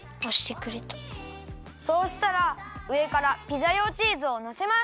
そうしたらうえからピザ用チーズをのせます。